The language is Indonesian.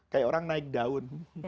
kayak orang naik daun